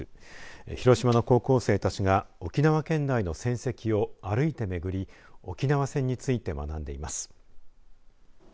広島の高校生たちが沖縄県内の戦跡を歩いて巡り沖縄戦について学んでいます。